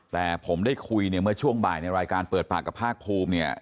แต่ผมได้คุยเมื่อช่วงบ่ายรายการเปิดปากกับภาครูม